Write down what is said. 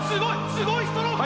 すごいストローク！